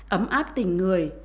ấm áp tình người